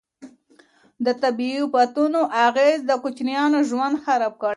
د طبیعي افتونو اغیز د کوچیانو ژوند خراب کړی.